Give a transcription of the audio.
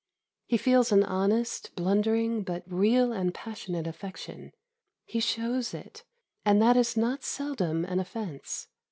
He feels an honest, blundering, but real and passionate affection. He shows it, and that is not seldom an offence.